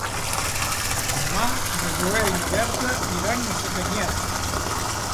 Demà na Zoè i na Berta iran a Sacanyet.